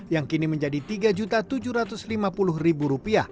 yang kini menjadi rp tiga tujuh ratus lima puluh